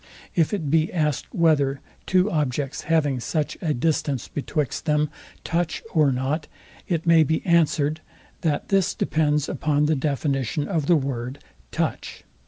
If it be asked whether two objects, having such a distance betwixt them, touch or not: it may be answered, that this depends upon the definition of the word, TOUCH.